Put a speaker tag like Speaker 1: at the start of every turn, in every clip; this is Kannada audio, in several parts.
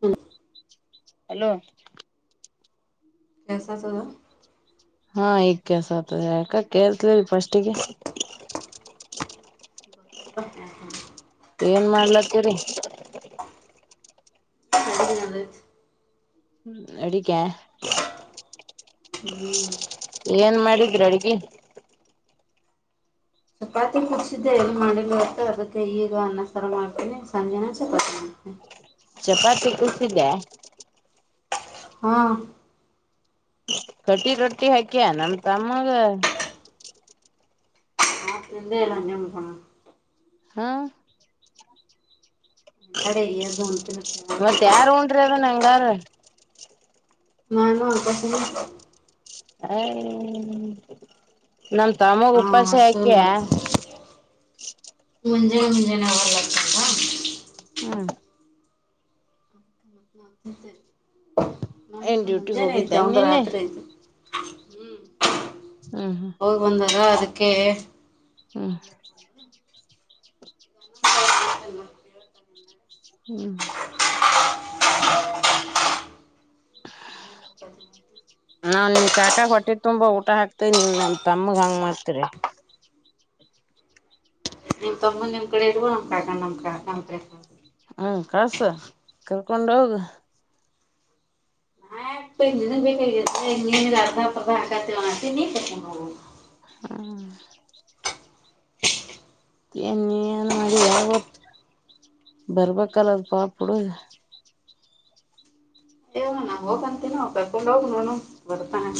Speaker 1: ಹ್ಮ
Speaker 2: ಹಲೋ
Speaker 1: ಎನ್ [unintelligible]
Speaker 2: ಹಾ ಈಗ್ ಕೇಳ್ಸಕತ್ದೆ ಯಾಕ ಕೇಳ್ತಲ್ಲ ಫಸ್ಟಿಗೆ.
Speaker 1: [unintelligible]
Speaker 2: ಏನ್ ಮಾಡ್ಲತ್ತೀರಿ
Speaker 1: [unintelligible]
Speaker 2: ಹ್ಮ್ ಅಡಿಗ್ಯ.
Speaker 1: ಹ್ಮ್
Speaker 2: ಏನ್ ಮಾಡಿದ್ರಿ ಅಡ್ಗೆ.
Speaker 1: ಚಪಾತಿ ಕುದ್ಸಿದ್ದೆ ಎನ್ ಮಾಡಿಲ್ ಅತ್ತ ಅದಕ್ಕೆ ಈಗ ಅನ್ನ ಸರ ಮಾಡ್ತೀನಿ ಸಂಜೆನ ಚಪಾತಿ ಮಾ ಹ್ಮ
Speaker 2: ಚಪಾತಿ ಕುದ್ಸಿದ್ಯ
Speaker 1: ಹಾ
Speaker 2: ಕಟ್ಟಿ ರೊಟ್ಟಿ ಹಾಕಿಯ ನಮ ತಮ್ಮಾಗ
Speaker 1: ಎಂದೇ ಎಲ್ಲಮ್ಮ
Speaker 2: ಹಾ
Speaker 1: ಎಲ್ಲಡೆ ಏರ್ದು ಉಣ್ತಿರುತ್ತೆ
Speaker 2: ಮತ್ತ ಯಾರ ಉಂಡ್ರಿ ಅದ ನಂಗಾರ
Speaker 1: ನಾನು ಆಕಾಶ
Speaker 2: [inaudible] ನಮ್ ತಮ್ಮಗ್
Speaker 1: ಹಾ
Speaker 2: ಉಪಾಸ ಯಾಕ
Speaker 1: ಹಸುಲ್ಲ [unintelligible]
Speaker 2: ಹ್ಮ್ ಏನ್
Speaker 1: ನಮ್ದು
Speaker 2: ಡ್ಯೂಟಿಗ್
Speaker 1: ಮುಂಜಾನೆ
Speaker 2: ಹೋಗಿದ್ದೇನ್
Speaker 1: ಅವಂದ
Speaker 2: ನಿನ್ನೆ
Speaker 1: ರಾತ್ರಿ ಹ್ಮ್
Speaker 2: ಹ್ಮ್
Speaker 1: ಅವೋಗ ಬಂದಾಗ ಅದಕ್ಕೆ
Speaker 2: ಹ್ಮ
Speaker 1: [inaudible]
Speaker 2: ಹ್ಮ್
Speaker 1: ಸಂಜೆನಾ ಚಪ್ಪ
Speaker 2: [inaudible] ನಾವ್ ನಿಮ್ ಕಾಕಾ ಹೊಟ್ಟೆ ತುಂಬಾ ಊಟ ಹಾಕ್ತ ನೀವ್ ನಮ್ ತಮಗ ಹಂಗ ಮಾಡ್ತರಿ
Speaker 1: ನಿಮ್ ತಮ್ಮ ನಿಮ್ ಕಡೆ ಇರ್ವ ನಮ್ಕಕಣ ನಮಕ ನ
Speaker 2: ಹ್ಮ ಕಸ ಕರ್ಕೊಂಡ ಹೋಗ
Speaker 1: ಬೇಕತ್ತ ಅರ್ಧಪ [unintelligible]
Speaker 2: ಹ್ಮ
Speaker 1: [inaudible]
Speaker 2: ಏನ್ ನಿನ್ ಹೆನ್ ಮಾಡಿ ಯಾರ್ ಗತ್ತು ಬರ್ಬೇಕಲ್ಲದ ಪಾಪುಡು
Speaker 1: ಏವ ನಾ ಹೋಗಂತೀನೋ ಕರ್ಕೊಂಡ ಹೋಗ ನೋನು ಬರ್ತಾನೆ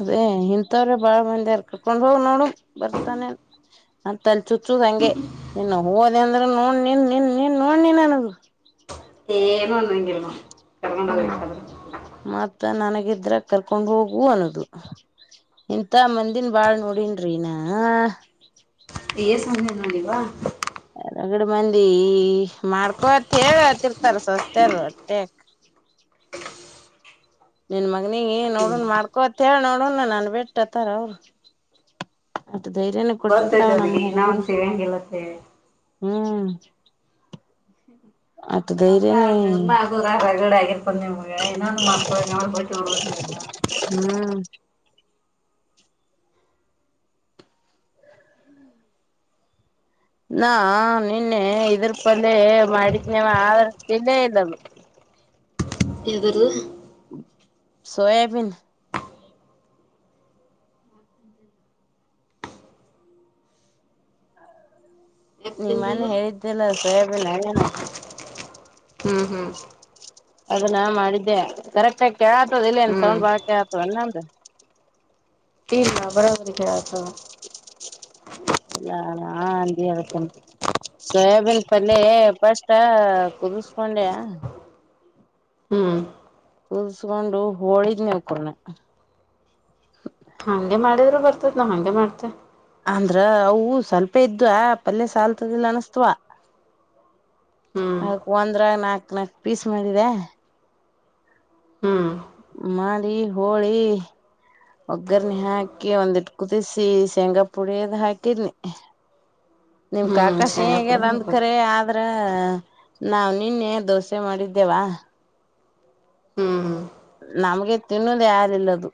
Speaker 2: ಅದೇ ಇಂತವ್ರೆ ಬಾಳ್ ಮಂದಿರ್ ಕಕೊಂಡ್ ಹೋಗ್ ನೋಡು ಬರ್ತಾನೆ ಮತ್ತ ಅಲ್ ಚುಚ್ಚ ಹಂಗೆ ನಿನ್ ಹೋದೆ ಅಂದ್ರ ನೋಡ್ ನೀನ್ ನಿನ್ ನೀನ್ ನೋಡ್ ನೀನ್ ನನಗ
Speaker 1: ಏನು ಅನ್ನೋಗಿಲ್ಲ
Speaker 2: ಹ್ಮ್ ಮತ್ತ ನನಗಿದ್ರ ಕರ್ಕೊಂಡ್ ಹೋಗುವು ಅನ್ನೋದು ಇಂತ ಮಂದನ್ ಬಾಳ್ ನೋಡೇನ್ರಿ ನಾ
Speaker 1: ಸಮಂದಯ ನೋಡಿವಾ
Speaker 2: ರಗಡ ಮಂದಿ ಮಾಡ್ಕೊತ್ ಹೇಳತ್ತರ್ತಾರ ಸವಸ್ತಾರ ಅಷ್ಟ ನಿನ್ ಮಗನಿಗೆ ಏ
Speaker 1: ಹ್ಮ್
Speaker 2: ನೋಡಣ ಮಾಡ್ಕೊತ್ತ ಹೇಳ ನೋಡಣ ನನ್ ಬಿಟ್ಟತ್ತಾರ ಅವರು ಮತ್ತೆ ಧೈರ್ಯನ
Speaker 1: ಗೊತ್ತೈತೆ
Speaker 2: ಕೊಟ್ಟಿರ್ತಾವ ನಮ್
Speaker 1: ಅವ್ರಿಗೆ ಇನ್ನೂ
Speaker 2: ಹುಗಗರು
Speaker 1: ಒಂದು ಸಿಗಂಗಿಲ್ಲ ಅಂತ ಹೇಳಿ
Speaker 2: ಹ್ಮ್ ಅಟ್ ಧೈರ್ಯನೇ
Speaker 1: ನಮ್ಮಮ್ಮ ಅಗರ ಹೊಗಡೆ ಆಗಿರ್ಬಂದ ನಿಮ್ಗೆ ಇನ್ನೊ ಮಾಡ್ಕ ಅವರು ಬಟ್ಟ
Speaker 2: ಹ್ಮ್ ನಾ ನಿನ್ನೆ ಇದ್ರ ಪಲ್ಲೆ ಮಾಡಿದ್ನವ ಅದಿರೆ ತಿಂದೆ ಇಲ್ಲ [inaudible]
Speaker 1: [unintelligible]
Speaker 2: ಸೋಯಬೀನ್
Speaker 1: ಯಾಕೆ
Speaker 2: ನಿಮ್ಮನೆ
Speaker 1: ತಿನ್ಲಿಲ್ಲ
Speaker 2: ಹೇಳಿದ್ದೆಲ್ಲ ಸೊಯಬಿನ್
Speaker 1: ಹ್ಮ
Speaker 2: ಅದನ್ನಾ ಮಾಡಿದ್ದೆ ಕರೆಕ್ಟ ಆಗಿ ಕೇಳತದ ಇಲ್ಲನ್
Speaker 1: ಹ್ಮ್
Speaker 2: ಸೌಂಡ್ ಬಾಳ ಕೇಳತವ ಇನ್ನಂದ [inaudible]
Speaker 1: [unintelligible]
Speaker 2: ಇಲ್ಲಾ ನಾ ಅಜತ್ತಂ ಸೋಯಾಬೀನ್ ಪಲ್ಯ ಫಸ್ ಕುದಿಸಕೊಂಡ್ಯಾ
Speaker 1: ಹ್ಮ್
Speaker 2: ಕಲ್ಸ್ಕೊಂಡು ಹೋಳಿದ್ [unintelligible]
Speaker 1: ಹಗೆ ಮಾಡಿದ್ರು ಬರ್ತದ ನಾ ಹಂಗೆ ಮಾಡ್ತೆ
Speaker 2: ಅಂದ್ರ ಅವು ಸ್ವಲ್ಪೇ ಇದ್ದ್ ಪಲ್ಯ ಸಾಲ್ತದಿಲ್ಲ ಅನಸ್ತವಾ
Speaker 1: ಹ್ಮ್
Speaker 2: ಅಕ್ ಒಂದ್ರ ನಾಕ್ ನಾಕ್ ಪೀಸ್ ಮಾಡಿದೆ
Speaker 1: ಹ್ಮ್
Speaker 2: ಮಾಡ ಹೋಳಿ ಒಗ್ಗರ್ರಣೆ ಹಾಕಿ ಒಂದಿಟ್ಟ ಕುದಿಸಿ ಶೇಂಗಾ ಪುಡಿದ್ ಹಾಕಿದ್ನಿ ನಿಮ್ ಕ
Speaker 1: ಹ್ಮ್
Speaker 2: ಆಕಾಶ
Speaker 1: ಶೇಂಗಾ
Speaker 2: ಹೇಗ
Speaker 1: ಪುಡಿ
Speaker 2: ಅಂದ
Speaker 1: ಹಾಕ್ಬೇಕು
Speaker 2: ಕರೆ ಅ್ರ ನಾವ್ ನಿನ್ನೆ ದೋಸೆ ಮಾಡಿದ್ದೇವಾ
Speaker 1: ಹ್ಮ್
Speaker 2: ನಮ್ಗೆ ತಿನ್ನೋದು ಯಾರಿಲ್ಲದು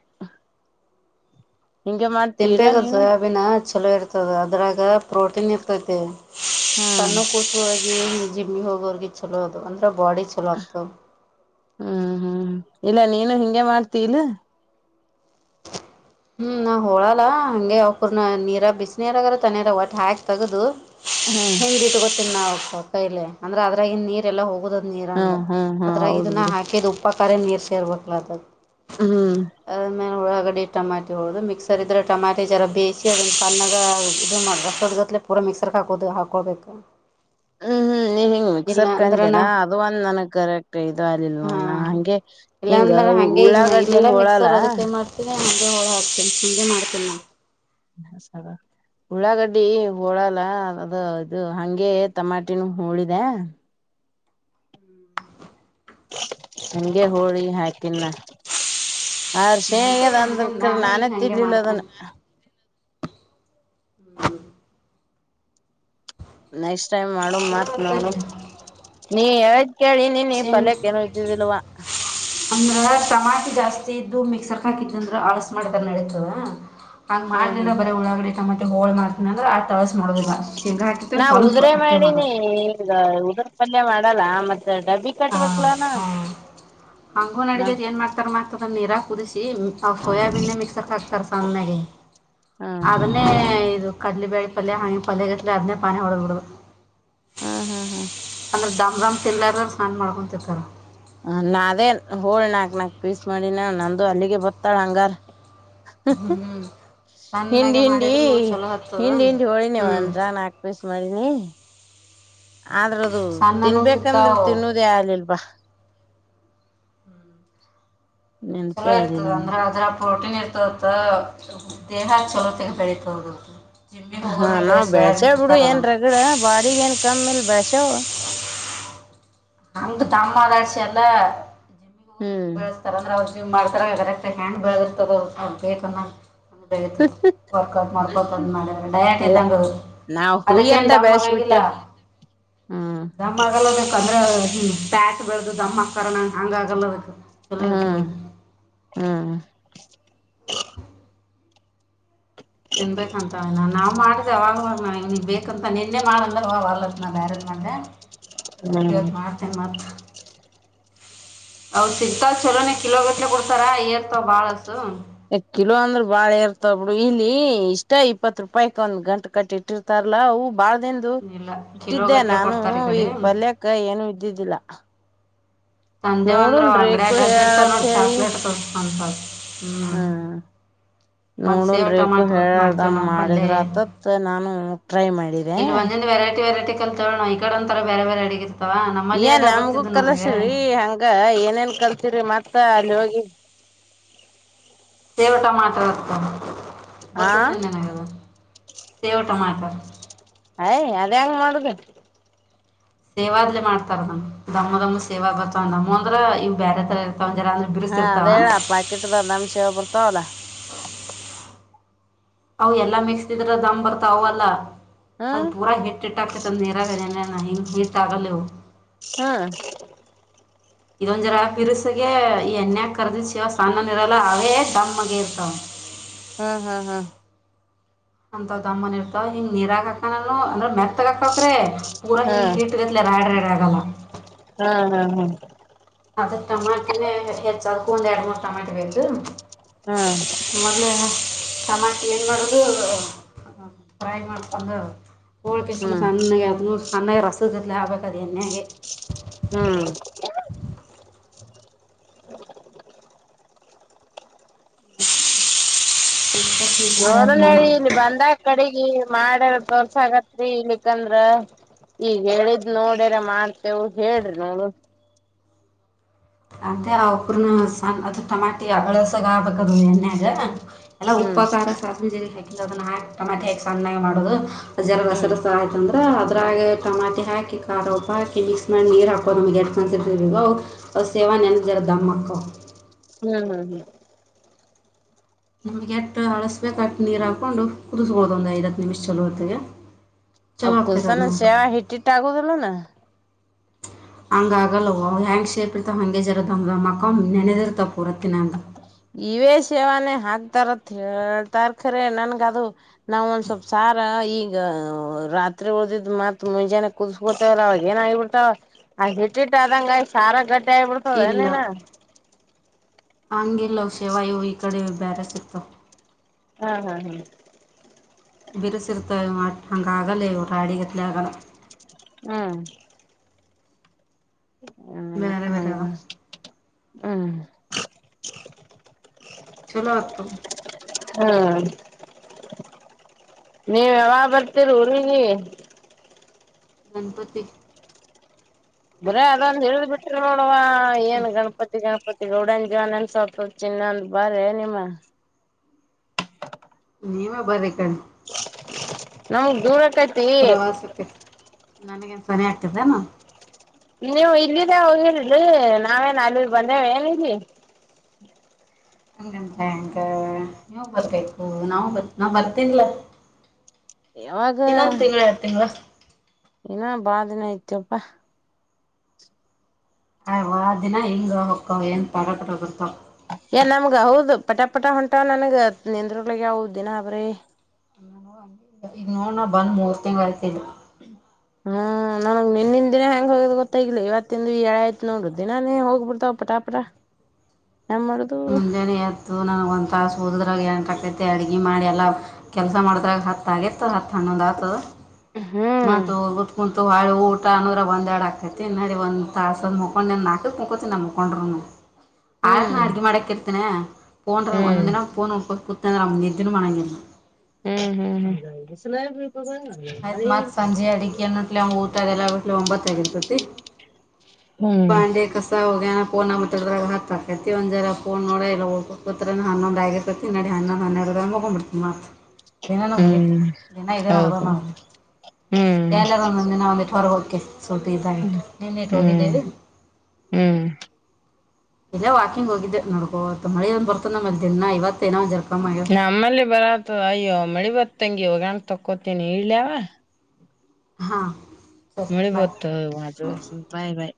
Speaker 2: ಹಿಂಗೆ ಮಾಡ್ತಿ ಇಲ್ಲ
Speaker 1: ತಿನ್ಬೇಕಾದ
Speaker 2: ನೀನು
Speaker 1: ಸೋಯಾಬೀನ್ ಚಲೋ ಇರ್ತದ ಅದ್ರಾಗ ಪ್ರೋಟೀನ್ ಇರ್ತೈತಿ
Speaker 2: ಹ್ಮ್
Speaker 1: ಕಣ್ಣ ಕೂಸವಾಗಿ ಜಿಮ್ಮಿಗೆ ಹೋಗೋಿಗೆ ಚಲೋ ಅದು ಅಂದ್ರೆ ಬಾಡಿ ಚಲೋ ಆಗ್ತದೆ
Speaker 2: ಹ್ಮ್ ಹ್ಮ್ ಇಲ್ಲ ನೀನು ಹಿಂಗಗೆ ಮಾಡ್ತ ಇಲ್ಲ
Speaker 1: ಹ್ಮ್ ನಾವ್ ಹೋಳಲ್ಲ ಹಂಗೆ ಅವಕರ್ನ ನೀರ ಬಿಸ ನೀರಗಾರ ತನರ ಒಟ್ಟ ಹಾಕ್ ತಗದು
Speaker 2: ಹ್ಮ್
Speaker 1: ಹಂಗ್ ಇಟ್ಟ ಗೊತ್ತಿನಿ ನಾವು ಕೈಲೆ ಅಂದ್ರೆ ಅದ್ರಾಗಿನ್ ನೀರೆ ಎಲ್ಲ ಹೋಗುದ
Speaker 2: ಹ್ಮ್
Speaker 1: ನೀರಂದು
Speaker 2: ಹ್ಮ್ ಹ್ಮ್
Speaker 1: ಅದರಾಗ
Speaker 2: ಹೌದು
Speaker 1: ಇದನ್ನ
Speaker 2: ಬಿಡು
Speaker 1: ಹಾಕದು ಅಪ್ಪಕರೆ ನೀರು ಸೇರ್ಬೇಕಲದದ
Speaker 2: ಹ್ಮ್
Speaker 1: ಅ್ಮಲೆ ಒಳಗಡೆ ಟಮಾಟಿ ಹೊಡ್ದು ಮಿಕ್ಸರ್ ಇದ್ರ ಟಮಾಟೆ ಜರ ಬೇಯಿಸಿ ಅದ ನ್ನಾಗ ಇದುಗೊಲೆ ಪೂರ ಮಿಕ್ಸರ್ ಹಾಕೋದು ಹಾಕೋಬೇಕು
Speaker 2: ಹ್ಮ್ ಹ್ಮ್ ನೀ ಹಿಂಗ್ ಮಿಕ್ಸರ್ ಕೇರ
Speaker 1: ನಾ
Speaker 2: ಅದು ಒಂದ್ ನನಗ್ ಕರೆಕ್ಟ್ ಇದು ಅಲ್ಲಿಲ್ ಹಂಗೆ ಹಿಂಗ
Speaker 1: ಹಗೆ ಈಗ
Speaker 2: ಉಳ್ಳಾಗಡ್ಡಿ
Speaker 1: ಇಲ್ಲೆಲ್ಲಾ
Speaker 2: ಹೋಳಲ್ಲ
Speaker 1: ಮಿಕ್ಸರ್ ಅದಕ್ಕೆ ಮಾಡ್ತೀನಿ ಹ ಹೊಳ ಹಾಕ್ತನಿ ಹಿಂಗಗೆ ಮಾಡ್ತೇನ ನಾ
Speaker 2: ಹ ಸ ಉಳ್ಳಾಗಡ್ಡಿ ಹೋಳಲ್ಲ ಅದು ಇದು ಹಂಗೆ ತಮಾಟಿನ ಹೋಳಿದೆ ಹಂಗೆ ಹಳಿ ಹಾಕಿನ ಆರ್ಷೇ
Speaker 1: ನಡಿತೈತೆ ಹಾಗೆ
Speaker 2: ತರ್ಕ್ರ
Speaker 1: ನಾನು ಈಗ
Speaker 2: ನಾನೇ
Speaker 1: ಹಾಗೆ ಮಾಡ್ತೇನೆ
Speaker 2: ತಿರ್ಲ್ಲದಾನೆ
Speaker 1: ಹ್ಮ್ ಹ್ಮ
Speaker 2: ನೆಕ್ಸ್ಟ್ ಟೈಮ್ ಮಾಡು
Speaker 1: ಚಲೋ
Speaker 2: ಮಾತ್ ನೋಡು
Speaker 1: ಆಗ್ತೈತೆ
Speaker 2: ನೀ ಕೇಳಿ ನೀನ್ ಪಲ್ಯಕ್ಕ ಏನ ಇದ್ದಿದ್ದಿಲ್ವಾ
Speaker 1: ಅಂದ್ರಟಮಾಟೆ ಜಾಸ್ತಿ ಇದ್ದು ಮಿಕ್ಸರ್ ಹಾಕಿತ್ತು ಅಂದ್ರೆ ಆಲಸ ಮಾಡಿದ ನಡತವ ಹಂಗ್
Speaker 2: ಹ್ಮ್
Speaker 1: ಮಾಡ್ಲಿಲ್ಲ
Speaker 2: ಹ್ಮ್
Speaker 1: ಬರೇ ಉಳಾಗಡಿ ಮತ್ತ ಹೋಳ ಮಾಡ್ತೀನ ಅಂದ್ರೆ ತಳಸ ಮಾಡೋದಿಲ್ಲ ಸಿಗ ಆಕುತ್ತ
Speaker 2: ನಾ
Speaker 1: ಸ್ವಲ್ಪ
Speaker 2: ಉದುರೆ
Speaker 1: ಅತ್ತೆ
Speaker 2: ಮಾಡಿನಿ
Speaker 1: ಮಾಡೋದು
Speaker 2: ಈಗ ಉದರ್ ಪಲ್ಯ ಮಾಡಲ್ಲಾ ಮತ್ತೆ ಡಬ್ಬಿ
Speaker 1: ಹಾ
Speaker 2: ಕಟ್ಬೇಕಕ್ಲಾನ
Speaker 1: ಹಾ ಹಂಗೂ
Speaker 2: ನಾ
Speaker 1: ನಡಿದದ ಏನ್ ಮಾಡ್ತಾರ ಮತದ ನೀರಾ ಕುದಿಸ ಸೋಯಾಬೀನ್ ಮಿಕ್ಸರ್ ಕಷ್ಟತಾರೆ ಸನೆಗೆ
Speaker 2: ಹಾ
Speaker 1: ಅದನ್ನೇ ಇದು ಕಡ್ಲಿ ಬೇಳಿ ಪಲ್ಯ ಹಿ ಪಲ್ಯಗತ್ಲೆ ಅದನೇ ಪಾನಿ ಹೊಡದ ಬಿಡ
Speaker 2: ಹಾ ಹಾ ಹಾ
Speaker 1: ಅಂದ್ರ ದಾಮ್ಮ್ ತಿಲ್ಲಾರ ಸ್ನಾನು ಮಾಡ್ಕೊತಿರ್ತಾರೆ
Speaker 2: ಹ ನಾವೇ ಹೋಳ್ ನಾಕ್ ನಾಕು ಪೀಸ್ ಮಾಡಿನ ನಂದು ಅಲ್ಲಿಗೆ ಬೊತ್ತಾಳ ಹಂಗಾರ್
Speaker 1: ಹ್ಮ್ ಹ್ಮ್ ಚೆನ್ನಾಗೆ
Speaker 2: ಹಿಂಡಿ
Speaker 1: ಮಾಡಿದ್ರು ನ ಚಲೋ ಹತದ
Speaker 2: ಹಿಂಡಿ ಹಿಂಡಿ ಹೋಳಿನಿ
Speaker 1: ಹ್ಮ್
Speaker 2: ಒಂದ್ರ ನಾಕ್ ಪೀಸ್ ಮಾಡಿನಿ ಆದ್ರ ಅದು
Speaker 1: ಸಣ್ಣನೂ
Speaker 2: ತಿನ್ಬೇಕಂದ್ರೆ
Speaker 1: ಸಿಗ್ತಾವ
Speaker 2: ತಿನ್ನುದೇ ಆಗ್ಲಿಲ್ವಾ ನೆನಪೇ
Speaker 1: ಚಲೋ
Speaker 2: ಆಗ್ಲಿಲ್ಲ
Speaker 1: ಇರ್ತದ
Speaker 2: ನನ್ಗೆ
Speaker 1: ಅಂದ್ರೆ ಅದ್ರ ಪ್ರೋಟೀನ್ ಇರ್ತವದ ದೇಹ ಲೋತೆಗೆ ಬೆಳೀತ ಹದ
Speaker 2: ಹಾ ನಾವ್ ಬಳ್ಸ್ಯಾವ್ ಬಿಡು ಏನ್ ರಗಡ ಬಾಡಿಗೆ ಏನ್ ಕಮ್ಮಿಲ್ ಬೇಳ್ಸ್ಯವ್
Speaker 1: ನಂತ ದಮ್ಮ ಮಾತಾಡ್ಸಿ ಎಲ್ಲ ಜಿಮ್ಮಿಗ್ ಹೋಗರು
Speaker 2: ಹ್ಮ್
Speaker 1: ಬಸ್ತಾರ ಅಂದ್ರ ಅವ್ರು ಜಿಮ್ ಮಾಡ್ತಾರ ಡ್ ಬೆಳಗಿರ್ತದ ಬೇಕ ವರ್ಕ್ಔಟ್ ಮಾಡ್ಕೊ ಡಯಟ್
Speaker 2: ಅಲ್ಲ
Speaker 1: ಇದ್ದಂಗ
Speaker 2: ನಾವ್
Speaker 1: ಅದಕ್ಕೇನು
Speaker 2: ಹುಯ್ಯತ್ತ
Speaker 1: ದಮ ಆಗಂಗಿಲ್ಲ
Speaker 2: ಬೆಳಸ್ಬಿಟ್ಟೇವ್ ಹ್ಮ್
Speaker 1: ದಮ ಆಗಲ್ಲ ಪ್ಯಾಟ್ ಬೆಳೆದ ಅಮ್ಮ ಕಣ ಹಂಗ ಆಗಲ್ಲದು
Speaker 2: ಹಾ ಹ್ಮ
Speaker 1: ತಿನ್ಬೇಕಂತವನ ನಾವ್ ಮಾಡ್ದ ಅವಾಗಾಗ ನ ಗ್ ಬೇಕಂತ ನಿನ್ನೆ ಮಾಡಲ್ಲ ಅಲತ್ನ ಬ್ಯಾರದ ಮಂದೆ
Speaker 2: ಹ್ಮ್
Speaker 1: ಇವತ್ತು ಮಾಡ್ತೀನಿ ಮತ ಅವ ಸಿಗ್ತ ಚಲೋನ ಕಿಲೋ ಗಟ್ಲೆ ಕೊಡ್ತಾರ ಏರ್ತಾವ ಬಾಳಸು.
Speaker 2: ಕಿಲೋ ಅಂದ್ರೆ ಬಾಳ ಇರ್ತವ ಬುಡು ಇಲ್ಲಿ ಇಷ್ಟ ಇಪ್ಪತ್ ರೂಪಾಯಕ್ ಒಂದ್ ಗಂಟ ಕಟ್ಟಿ ಇಟ್ಟಿರ್ತಾರ. [unintelligible] ಬಾಳದಿಂದ
Speaker 1: ಇಲ್ಲ
Speaker 2: ಇಟ್ಟಿದ್ದೆ
Speaker 1: ಕಿಲೋಗಟ್ಲೆ
Speaker 2: ನಾನು
Speaker 1: ಕೊಡ್ತಾರೆ ಈ ಕಡೆ
Speaker 2: ಈಗ ಪಲ್ಯಕ್ಕ ಏನು ಇದ್ದಿದ್ದಿಲ್ಲ.
Speaker 1: ಸಂಜೆ ಒಂದ್
Speaker 2: ನೋಡುನ್
Speaker 1: ಅಂಗಡ
Speaker 2: ರೇಕು
Speaker 1: [unintelligible] ಬಿತವೆ
Speaker 2: ಹೇಳತ್
Speaker 1: ನೋಡ
Speaker 2: ಹೇಳಿ
Speaker 1: ಚಾಕ್ಲಟ್ಗಳು ಅಂತ ಹ್ಮ್ ಮತ್ತ
Speaker 2: ನೋಡನ್
Speaker 1: ಸೇವ
Speaker 2: ರೇಕು
Speaker 1: ಟಮಾಟರ್ತ್ ಮಾಡ್ತೇವೆ
Speaker 2: ಹೇಳ್ದಮ್
Speaker 1: ನಾವು ಪಲ್ಯ
Speaker 2: ಮಾಡಿದ್ರ ಆತತ್ ನಾನು ಟ್ರೈ ಮಾಡಿದೆ
Speaker 1: ಇಲ್ಲಿ ಒಂದೊಂದು ವೆರೈಟಿ ವ್ಯಾರೈಟಿ ಕಲ್ತುಲೆ ಈಕಡೆ ಒಂತರ ಬೇರೆಬೇರೆ ಅಡಿಗೆ ಇರ್ತಾವ ನಮ್ಮಲ್ಲಿ
Speaker 2: ಏ
Speaker 1: ಎಲ್ಲ
Speaker 2: ನಮ್ಗೂ
Speaker 1: ಗೊತ್ತಿದ್ದು ನನಗೆ
Speaker 2: ಕಲ್ಸ್ರಿ ಹಂಗ ಏನೇನ್ ಕಳ್ತಿರಿ ಮತ್ ತಾ ಅಲ್ಲಿ ಹೋಗಿ
Speaker 1: ಸೇವು ಟಮಾಟರ್ ಅತ್ತ
Speaker 2: ಹಾ
Speaker 1: ಗೊತ್ತತ್ತೇನೆ ನಿನ್ಗದು ಸೇವು ಟಮಾಟರ್.
Speaker 2: ಅಯ್ ಅದು ಹೆಂಗ ಮಾಡುದು
Speaker 1: ಸೇವಾದ್ಲಿ ಮಾಡ್ತಾರದ ದಮ್ಮ ದಮ್ಮ ಸೇವ ಬರ್ತವ ದಮ್ಮ ಅಂದ್ರೆ ಇವ್ ಬೇರೆ ತರ ಇರ್ತಾವ ಜರ ಅಂದ್ರ
Speaker 2: ಹಾ ಅದ
Speaker 1: ಬಿರುಸಿರ್ತಾವ
Speaker 2: ಹ ಪ್ಯಾಕೆಟ್ ದಮಸೇವಾ ಬರ್ತಾವಲ್ಲ
Speaker 1: ಅವು ಎಲ್ಲಾ ಮಿಕ್ಸದ್ರ ದಮ್ ಬರ್ತಾವ್ ಆವಾಲ್ಲಾ. ಅದು
Speaker 2: ಹ್ಮ್
Speaker 1: ಪೂರಾ ಹಿಟ್ಟ ಹಿಟ್ಟಾಕತಂದ ನೀರಾಗ ನೆನೆಯನ ಹಿಂಗ್ ಹಿಟ್ ಆಗಲ್ಲಿವು.
Speaker 2: ಹಾ
Speaker 1: ಇದೊಂದ ಜರ ಪಿರುಸಗೆ ಈ ಎಣ್ಣಯ ಕರ್ದಿಡಸೇವ್ ಸಣ್ಣನ್ ಇರಲ್ಲ ಅವೇ ದಮ್ ಆಗೆ ಇರ್ತಾವ.
Speaker 2: ಹ್ಮ್ ಹ್ಮ್ ಹಾ
Speaker 1: ಅಂತವ ದಮ್ಮನ ಇರ್ತವ ಹಿಂಗ ನೀರಾಗಾಕಣ ಅಂದ್ರ ಮೆ ತ್ತಾಕಾಕತ್ತೆ ಪೂರ ಹೀಗ್
Speaker 2: ಹ್ಮ್
Speaker 1: ಹಿಟ್ ಗಟಾಲೆ ರಾಯಡ್ ರೈಡ್ ಅಗಲ್ಲ
Speaker 2: ಹ್ಮ್ ಹ್ಮ್
Speaker 1: ಅದ್ರಟಮಾಟಿನ ಹೆಚ್ಚ ಅದಕ್ಕೂ ಒಂದ್ ಎರಡ್ ಮೂರ್ ಟಮಾಟಿ ಬೇಕು.
Speaker 2: ಹ್ಮ
Speaker 1: ಟಮಾಟ ಏನ್ ಮಾಡದು ಫ್ರೈ ಮಾಡ್ಕೊಂಡ ಹೋಳಕಂದಸ
Speaker 2: ಹ್ಮ್
Speaker 1: ಸಣ್ಣ ಅದ ನ ಸಣ್ಣಾಗಿ ರಸದಲೆ ಆಗ್ಬೇಕದು ಎಣ್ಣಯಾಗೆ.
Speaker 2: ಹ್ಮ್
Speaker 1: ಸ್ವೀಟ್ ಮಾಡೋದು
Speaker 2: ನೋಡನ್
Speaker 1: ನೋಡು
Speaker 2: ಹೇಳಿ ಇಲ್ಲಿ ಬಂದಗ್ ಕಡೆಗಿ ಮಾಡ್ಯಾರ ತೋರ್ಸಕತ್ತಿ ಇಲಿಕ್ಕಂದ್ರ ಈಗ ಹೇಳಿದ್ ನೋಡ್ಯಾರ ಮಾಡ್ತೇವು ಹೇಳ್ರಿ ನೋಡುಮ್
Speaker 1: ಅದೇ ಆ ಕುರ್ನ ಸಣ್ಣ ಅದ ಟಮಾಟಿ ಹಳಸಗ ಆಗ್ಬೇಕದು ಎಣ್ಣಾಗ ಎಲ್ಲಾ ಉಪ್ಪಾ
Speaker 2: ಹ್ಮ್
Speaker 1: ಕಾರ ಸಾಸಿವೆ ಜೀರಿಗೆ ಹಾಕಿ ಅದನ್ನ ಹಾಕಿ ಟೊಮೆಟೆ ಹಾಕಿ ಸಣ್ಣಗ್ ಮಾಡುದು
Speaker 2: ಹ್ಮ್
Speaker 1: ಜಲದಸರ [unintelligible] ಆಯ್ತ [unintelligible] ಅಂದ್ರ ಅದ್ರಾಗ ಟಮಾಟೆ ಹಾಕಿ ಖಾರ ಉಪ್ಪು ಹಾಕಿ ಮಿಕ್ಸ್ ಮಾಡಿ ನೀರ್ ಹಾಕೋ ನಮಗೆ [unintelligible] ಸೇವಾ [unintelligible] ನ ಎನ್ನ ಜರುದಮ್ಮಕ್ಕ
Speaker 2: ಹ್ಮ್ ಹ್ಮ್ ಹ್ಮ್
Speaker 1: ನಮ್ಗೆಟ್ಟ ಅಳಸ್ಬೇಕಟ್ಟ ನೀರ್ ಹಾಕೊಂಡು ಕುದಿಸ್ಬೋದು ಒಂದ್ ಐದ ಹತ್ ನಿಮಿಷ ಚಲೋ ಹೊತ್ತಿಗೆ
Speaker 2: ಅ
Speaker 1: ಚಲೋ ಆಕೈತೆ
Speaker 2: ಕುದ್ಸನ
Speaker 1: ಅದನ್ನು
Speaker 2: ಶೇವ ಹಿಟ್ಟಿಟ್ಟ ಆಗುದಲೆನ್ನಾ.
Speaker 1: ಹಂಗ ಆಗಲ್ಲವ ಹೆಂಗ್ ಶೇಪ್ ಇರ್ತಾವ ಹಂಗಗೆ ಜರದಮದಮಕ್ಕ ನೆನದಿರ್ತಾವ ಪೂರತ್ತಿನಂಗ
Speaker 2: ಇವೇ ಸೇವಾನೆ ಹಾಕ್ತಾರತ್ ಹೇಳ್ತಾರ್ಕ್ರ ನನ್ಗ ಅದು ನಾವ ಒಂದ್ ಸ್ವಲ್ಪ ಸ್ವಪ್ ಈಗ ರಾತ್ರಿ ಉಳದಿದ್ ಮತ್ತ್ ಮುಂಜಾನ ಕುದಸ್ಕೊತವಲ್ಲ ಅವಾಗ ಏನ ಆಗಬಿಡ್ತಾವ ಆ ಹಿಟ್ಟಿಟ್ಟ ಆದಂಗ ಆಗ ಸಾರ ಗಟ್ಟಿ ಆಗಬಿಡ್ತವೇ ನಿನ್ನ.
Speaker 1: ಆಂಗಿಲ್ಲವ ಸೇವಾ ಇವ್ ಈ ಕಡೆ ಬ್ಯಾರ ಸಿಕ್ತವ್.
Speaker 2: ಹಾ ಹಾ ಹಾ
Speaker 1: ಬಿರುಸಿರ್ತ ಹಂಗ ಆಗಲ್ಲ ಇವರು ರಾಡಿಗತ್ಲೆ ಆಗಲ್ಲ.
Speaker 2: ಹ್ಮ
Speaker 1: ಬೇರೆಬೇರೆವಾ
Speaker 2: ಹಂಗ ಹ್ಮ್
Speaker 1: ಚಲೋತ್ತುಗೊ
Speaker 2: ಹಾ. ನೀವ್ ಯಾವ ಬರ್ತೀರಿ ಊರಿಗ.
Speaker 1: ಗಣಪತಿ.
Speaker 2: ಬ್ರ ಅದೊಂದು ಹೇಳಿದ್ ಬಿಟ್ರ ನೋಡುವ ಏನ್ ಗಣಪತಿ ಗಣಪತಿ. ಗೌಡನ್ ಜವನಂದ ಸ್ವಪ ಚಿನ್ನಂದ ಬಾರೆ ನಿಮ್ಮ.
Speaker 1: ನೀವೇ ಬರಕ್ಂ.
Speaker 2: ನಾವು ದೂರ ಕತೀವಿ.
Speaker 1: ನನಗನ್ ಸನ ಹಗ್ತದನು.
Speaker 2: ನೀವು ಇಲ್ಲಿಿದ್ದೇ ಹೋಗಿರಿ ನಾವೇನ್ ಅಲ್ಲಿಗ್ ಬಂದೇವೆ ಏನೀ.
Speaker 1: ಹಂಗಂದ ಹಂಗ ನೀವು ಬರ್ಬೇಕು ನಾವ ಬ ನಾ ಬರ್ತೇನ್ಲ. ಇನ್ನೊಂದ ತಿಂಗಳ ಎಾವಾರ ತಿಂಗಗಳ.
Speaker 2: ನ ಬಾಾದಿನ ಆಯತಪ್ಪಾ.
Speaker 1: [unintelligible]
Speaker 2: ನಮ್ಗ ಹೌದು ಪಟ ಪಟ ಹೊಂಟ ನನ್ಗ ನಿಂದರುಳಿಗೆ ಹಾವದ ದಿನಬ್ರಿ.
Speaker 1: ಈಗ ನೋಡ್ಣ ಬಂದ್ ಮೂರ್ ತಿಂಗ್ ಆಯ್ತಲ್.
Speaker 2: ಹ್ಮ್ ನನಗ್ ನಿನ್ನಿನ ದಿನಾ ಹೆಂಗ ಹೋಗೋ್ ಗೊತ್ತಾಗಿಿಲ್ಲ ಇವತ್ತಂದು ಏಾಯ್ತ ನೋಡ್ರ ದಿನಾನೇ ಹೋಗ್ ಬಿಿಡ್ತಾವ್ಪ್ಪಟಾ. [unintelligible]
Speaker 1: ಮುಂಜಾನೆ ಆಯತು ನನಗ ಒಂತ ತಾಸ ಹೋದ್ರಾಗ ಏ. ತೆ ಅಡುಗೆ ಮಾಡಿ ಎಲ್ಲ ಕೆಲಸ ಮಾಡಿದ್ರಾಗ ಹತ್ತ ಆಗಿತ್ತು ಹ. ದತ
Speaker 2: ಹ್ಮ್
Speaker 1: ಮಾಡ. ಹಾ ಊಟ ಅನ್ನೋರ ಒಂದ ಎರಡು ಆಾಕೈತಿ ನಡಿ ಒಂದ್ ತಾಸದ ಮುಕೊಂಡ್ ನಾಕಕ್ ಮುಕತಿ ನ ಮುಕೊಂಡ್ರುನು. ಆಯರತ್
Speaker 2: ಹ್ಮ್
Speaker 1: ನಕ.
Speaker 2: ಹ್ಮ್
Speaker 1: ತ್ತನೋಂದಂದ ಕುತ ನಿ.
Speaker 2: ಹ್ಮ್ ಹ್ಮ್ ಸ್ಲ.
Speaker 1: ಆಯ್ತ್ ಮತ್ ಸಂಜೆ ಅಡಗೆನ್ನುಟ್ಲೆ ಊಟ ಅದೆಲ್ಲಟ್ ಒಂಬತ್ತ ಆಾಗಿರ್ತತಿ.
Speaker 2: ಹ್ಮ್ ಹ್ಮ್
Speaker 1: ಬಾಂಡೆ ಕಸಾ ಹೋಗ ಪೋನ ಮತ್ತ ಹ. ಕತ್ತತಿ ಒಂದ್ರ ೋ ನೋಡ ಇಲ್ಲ ಹನ್ನೊಂದು ರಗತ್ತತಿ ನಡಿ ಹನ್ನೊಂದು ಹನ್ನೆರ ರ ಹೋಗಕೊಂಡ್ ಬಿಡ್ತತಿಿ ಮತ್. ದಿನ ನ ಮುಗ
Speaker 2: ಹ್ಮ್
Speaker 1: ದಿನ ಇದೇ ನದ
Speaker 2: ಹೌದು
Speaker 1: ನ.
Speaker 2: ಹ್ಮ್
Speaker 1: ಎಲ್ಲಾರ ಒಂದೊಂದಿನ ಒಂದಿ ಹೊರಗ ಹೋಗವಿ. ಸವಲ್ಪ ಇದಾಗಿಟು ನೀನ್ನ ಇಟ್ಟು
Speaker 2: ಹ್ಮ್
Speaker 1: ಹೋಗಿದ್ದೀವಿ.
Speaker 2: ಹ್ಮ್
Speaker 1: ಇಲ್ಲ ವಾಕಿಂಗ್ ಹೋಗಿದ್ದೆ ನೋಡ್ಕೋತ್ ಮಳ ಒಂದ ಬರ್ತದ ನಮ್ಮ ಅಲ್ಲಿ ದಿನ ಇವತ್ತ ನೋ ಜರ್.
Speaker 2: ನಮ್ಮಲ್ಲಿ ಬರತ ಅಯ್ಯೋ ಮಳಿ ಬತ್ತಂಗಿ ಒೋಗಾಣಕ್ ತಕ್ಕೋತೀನಿ ಇಲಯವ.
Speaker 1: ಹಾ.
Speaker 2: ಮಳಿಬತ ಬಾಯ್ ಬಾಯ್.